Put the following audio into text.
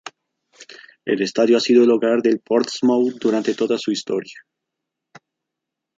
El estadio ha sido el hogar del Portsmouth durante toda su historia.